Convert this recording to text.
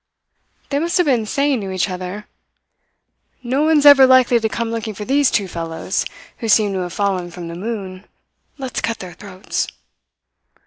They must have been saying to each other: "'No one's ever likely to come looking for these two fellows, who seem to have fallen from the moon. Let's cut their throats.'